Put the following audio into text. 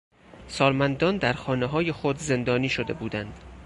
سالمندان در خانههای خود زندانی شده بودند.